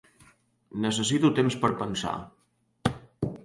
Necessito temps per pensar.